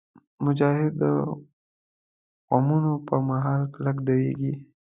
مجاهد د غمونو پر مهال کلک درېږي.